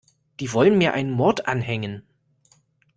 Die wollen mir einen Mord anhängen.